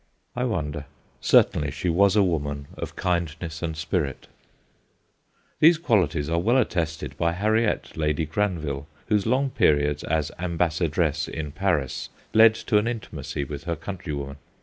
I wonder : certainly she was a woman of kindness and spirit. MANNERS 153 These qualities are well attested by Harriet, Lady Granville, whose long periods as ambassadress in Paris led to an intimacy with her countrywoman.